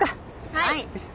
はい。